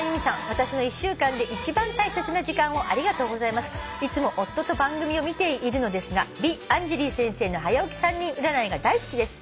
私の１週間で一番大切な時間をありがとうございます」「いつも夫と番組を見ているのですが『美・アンジェリー先生のはや起き３人占い』が大好きです」